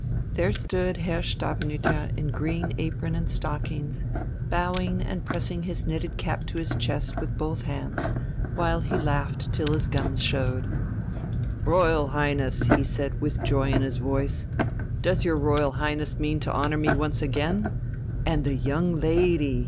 There stood Herr Stavenüter in green apron and stockings, bowing and pressing his knitted cap to his chest with both hands, while he laughed till his gums showed. "Royal Highness!" he said, with joy in his voice, "does your Royal Highness mean to honour me once again? And the young lady!"